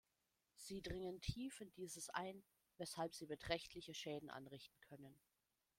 Sie dringen tief in dieses ein, weshalb sie beträchtliche Schäden anrichten können.